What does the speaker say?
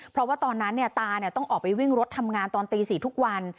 เพราะว่าตอนนั้นตาต้องออกไปวิ่งรถทำงานตอนตี๔ทุกวัน